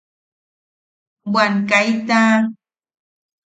¡¡Bwan kaita!